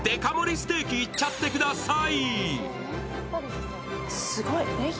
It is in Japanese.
ステーキいっちゃってください！